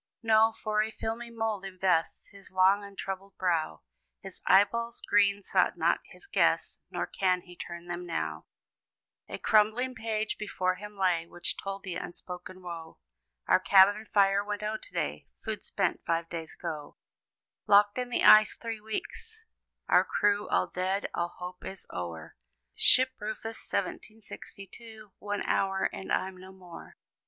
No! for a filmy mold invests His long untroubled brow; His eyeballs green sought not his guests, Nor can he turn them now. [Illustration: SINKING OF THE LONDON.] A crumbling page before him lay, Which told the unspoken woe; "Our cabin fire went out to day Food spent five days ago; "Locked in the ice three weeks, our crew All dead, all hope is o'er; Ship Rufus 1762 One hour, and I'm no more!"